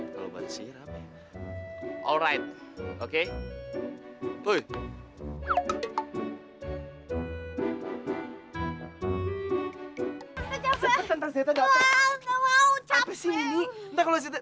kalau bahas sihir apa ya